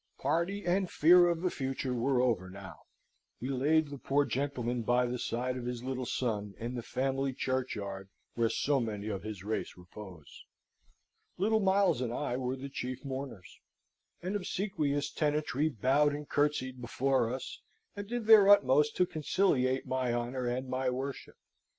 Party and fear of the future were over now. We laid the poor gentleman by the side of his little son, in the family churchyard where so many of his race repose. Little Miles and I were the chief mourners. An obsequious tenantry bowed and curtseyed before us, and did their utmost to conciliate my honour and my worship.